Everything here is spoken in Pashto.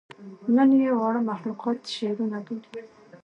نن ئې واړه مخلوقات شعرونه بولي